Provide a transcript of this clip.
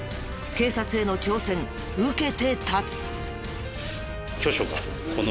警察への挑戦受けて立つ。